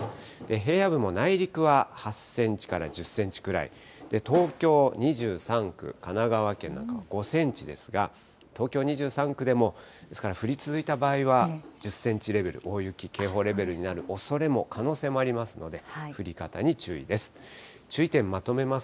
平野部も内陸は８センチから１０センチくらい、東京２３区、神奈川県なんかは５センチですが、東京２３区でも、ですから、降り続いた場合は１０センチレベルの大雪、警報レベルになるおそれも、可能性もありますので、降り方に注意です。